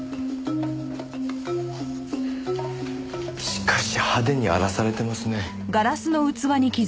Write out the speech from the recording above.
しかし派手に荒らされてますね。